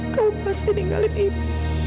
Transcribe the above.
kamu pasti meninggalin ibu